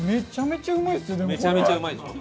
めちゃめちゃうまいでしょ？